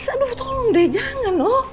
aduh tolong deh jangan dong